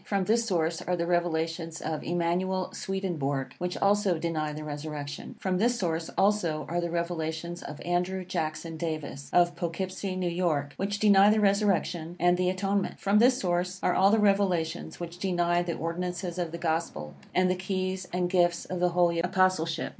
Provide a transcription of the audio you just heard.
From this source are the revelations of Emmanuel Swedenborg, which also deny the resurrection. From this source, also, are the revelations of Andrew Jackson Davis, of Poughkeepsie, New York, which deny the resurrection and the atonement. From this source are all the revelations which deny the ordinances of the Gospel, and the keys and gifts of the Holy Apostleship.